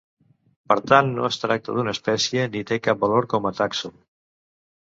Per tant no es tracta d'una espècie ni té cap valor com a tàxon.